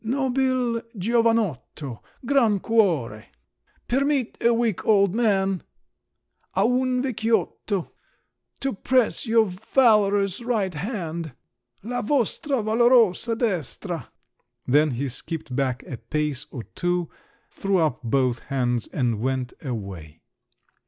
(Nobil giovanotto! Gran cuore!) permit a weak old man (a un vecchiotto!) to press your valorous right hand (la vostra valorosa destra!)" Then he skipped back a pace or two, threw up both hands, and went away.